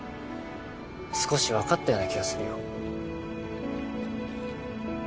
少しわかったような気がするよ。